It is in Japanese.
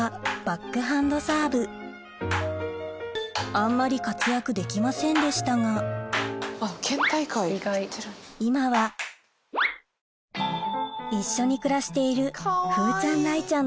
あんまり活躍できませんでしたが今は一緒に暮らしている風ちゃん